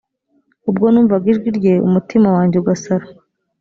ubwo numvaga ijwi rye umutima wanjye ugasara